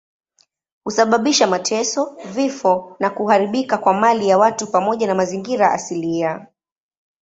Husababisha mateso, vifo na kuharibika kwa mali ya watu pamoja na mazingira asilia.